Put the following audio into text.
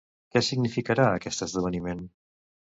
Què significarà aquest esdeveniment?